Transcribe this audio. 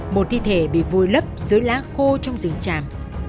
một thi thể bị vùi lấp dưới lá khô trong rừng tràm